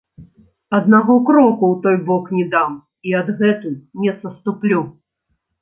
Аднаго кроку ў той бок не дам і адгэтуль не саступлю.